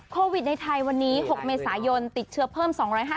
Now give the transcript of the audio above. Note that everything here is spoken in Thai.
โควิดในไทยวันนี้๖เมษายนติดเชื้อเพิ่ม๒๕๐